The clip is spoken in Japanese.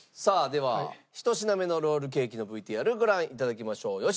さあでは１品目のロールケーキのＶＴＲご覧いただきましょう。